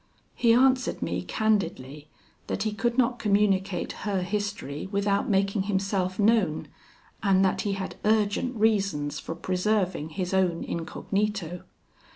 He answered me candidly, that he could not communicate her history without making himself known, and that he had urgent reasons for preserving his own incognito.